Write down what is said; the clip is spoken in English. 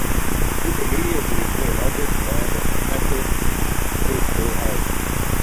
It immediately came under command of the Separate Coastal Army.